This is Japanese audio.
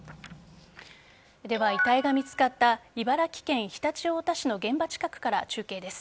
では遺体が見つかった茨城県常陸太田市の現場近くから中継です。